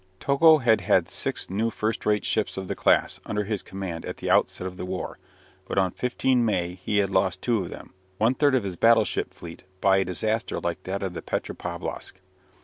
Togo had had six new first rate ships of the class under his command at the outset of the war, but on 15 May he had lost two of them, one third of his battleship fleet, by a disaster like that of the "Petropavlosk."